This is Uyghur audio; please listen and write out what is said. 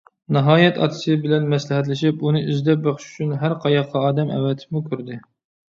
ناھايەت ئاتىسى بىلەن مەسلىھەتلىشىپ ئۇنى ئىزدەپ بېقىش ئۈچۈن ھەر قاياققا ئادەم ئەۋەتىپمۇ كۆردى.